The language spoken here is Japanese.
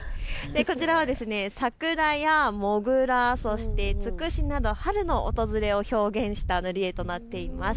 こちらは桜やもぐら、そしてつくしなど春の訪れを表現した塗り絵となっています。